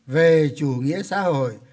về chủ nghĩa xã hội